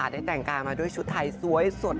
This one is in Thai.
ได้แต่งกายมาด้วยชุดไทยสวยสด